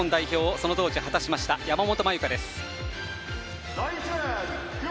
その当時、果たしました山本茉由佳です。